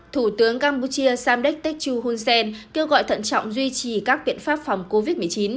thủ tướng campuchia samdek techo hunsen kêu gọi thận trọng duy trì các biện pháp phòng covid một mươi chín